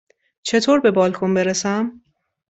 چطور به بالکن برسم؟